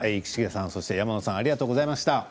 幸重さん、山野さんありがとうございました。